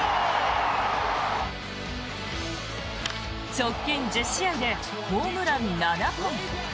直近１０試合でホームラン７本。